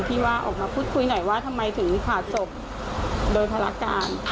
ที่ว่าออกมาพูดคุยหน่อยว่าทำไมถึงผ่าศพโดยภารการ